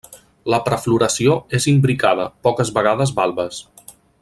La prefloració és imbricada, poques vegades valves.